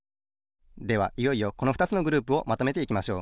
ではいよいよこのふたつのグループをまとめていきましょう。